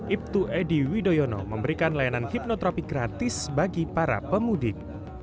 ibtu edy widoyono memberikan layanan hipnoterapi gratis bagi para pemudik